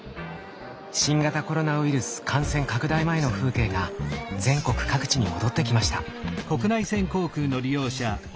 新型コロナウイルス感染拡大前の風景が全国各地に戻ってきました。